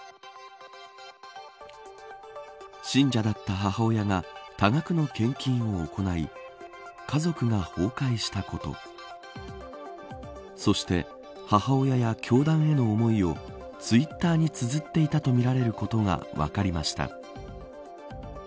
信者だった母親が多額の献金を行い家族が崩壊したことそして、母親や教団への思いをツイッターにつづっていたとみられることが分かりました。